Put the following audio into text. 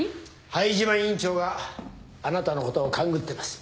灰島院長があなたのことを勘繰ってます。